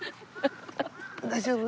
大丈夫？